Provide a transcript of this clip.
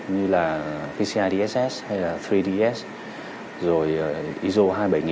như là pci dss hay là ba ds rồi iso hai mươi bảy nghìn một